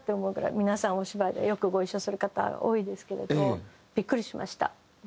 皆さんお芝居でよくご一緒する方が多いですけれどビックリしました。